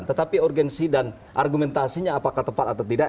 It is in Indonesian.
tetapi urgensi dan argumentasinya apakah tepat atau tidak